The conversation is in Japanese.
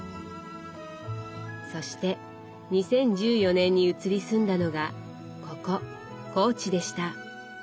そして２０１４年に移り住んだのがここ高知でした。